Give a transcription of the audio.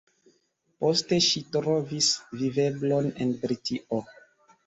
Poste ŝi trovis viveblon en Britio.